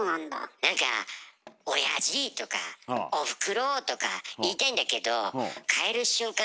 何かおやじとかおふくろとか言いたいんだけど変える瞬間